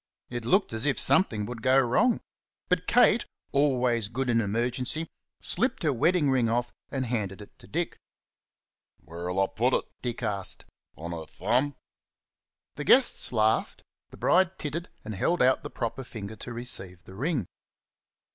It looked as if something would go wrong. But Kate, always good in emergency, slipped her wedding ring off and handed it to Dick. "Where'll I put it?" Dick asked "on her thumb?" The guests laughed; the bride tittered and held out the proper finger to receive the ring.